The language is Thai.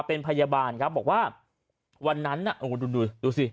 เป็นพยาบาลครับบอกว่าวันนั้นน่ะโอ้โหดูดูสิ